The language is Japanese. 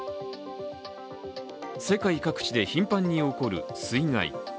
世界各地で頻繁に起こる水害。